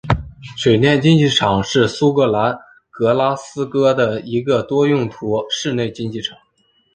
水电竞技场是苏格兰格拉斯哥的一个多用途室内竞技场。